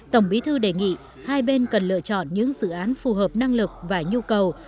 tổng bí thư đề nghị hai bên cần lựa chọn những dự án phù hợp năng lực và nhu cầu